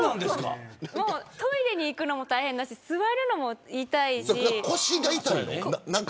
トイレに行くのも大変だし座るのも痛いし。